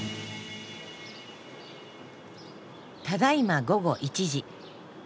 ただいま午後１時。